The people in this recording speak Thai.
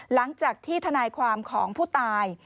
หลังจากที่ทนายความของผู้ตาย